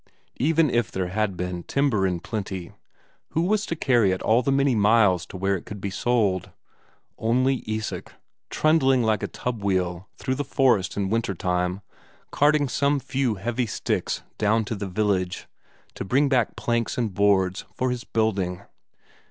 Even if there had been timber in plenty, who was to carry it all the many miles to where it could be sold? Only Isak, trundling like a tub wheel through the forest in winter time carting some few heavy sticks down to the village, to bring back planks and boards for his building.